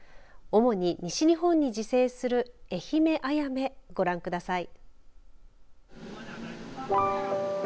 主に西日本に自生するエヒメアヤメご覧ください。